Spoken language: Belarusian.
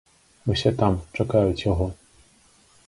Усе там, чакаюць яго.